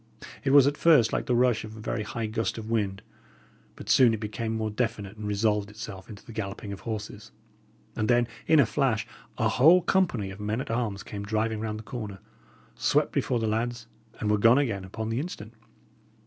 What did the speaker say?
It was at first like the rush of a very high gust of wind, but soon it became more definite, and resolved itself into the galloping of horses; and then, in a flash, a whole company of men at arms came driving round the corner, swept before the lads, and were gone again upon the instant.